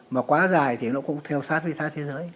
mà quá dài thì nó cũng theo sát với giá thế giới